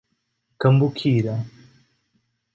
Cambuquira